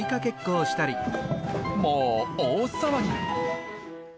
もう大騒ぎ。